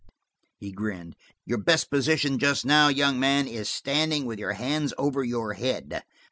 He grinned. "Your best position just now, young man, is standing, with your hands over your head.